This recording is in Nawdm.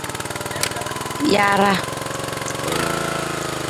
Jaaraa.